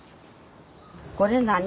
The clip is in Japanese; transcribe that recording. これ何？